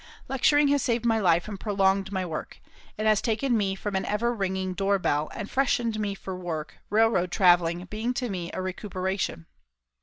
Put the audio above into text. Lecturing has saved my life and prolonged my work. It has taken me from an ever ringing door bell, and freshened me for work, railroad travelling being to me a recuperation.